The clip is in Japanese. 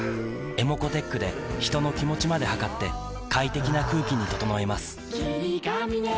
ｅｍｏｃｏーｔｅｃｈで人の気持ちまで測って快適な空気に整えます